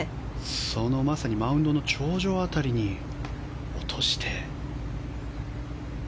そのまさにマウンドの頂上辺りに落として。